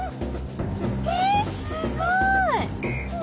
えっすごい！